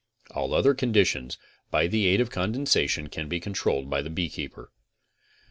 All other gonditions, by the aid of condensation, can be controled by the beekeeper.